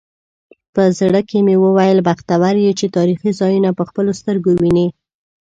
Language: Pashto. په زړه کې مې وویل بختور یې چې تاریخي ځایونه په خپلو سترګو وینې.